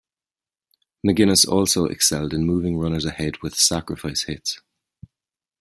McInnis also excelled in moving runners ahead with sacrifice hits.